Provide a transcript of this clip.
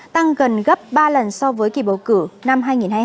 tăng gần gấp ba lần so với kỳ bầu cử năm hai nghìn hai mươi hai